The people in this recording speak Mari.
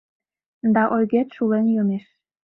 Да ойгет шулен йомеш